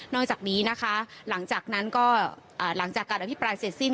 นอกจากนี้นะคะหลังจากการอภิปรายเสร็จสิ้น